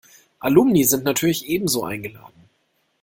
Alumni sind natürlich ebenso eingeladen.